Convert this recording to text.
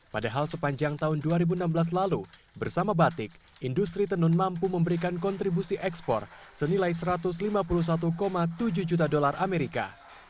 padahal sepanjang tahun dua ribu enam belas lalu bersama batik industri tenun mampu memberikan kontribusi ekspor senilai satu ratus lima puluh satu tujuh juta dolar amerika